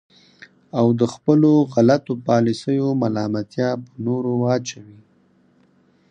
او د خپلو غلطو پالیسیو ملامتیا په نورو واچوي.